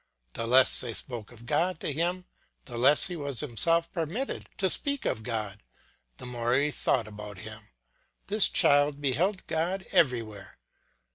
The less they spoke of God to him, the less he was himself permitted to speak of God, the more he thought about Him; this child beheld God everywhere.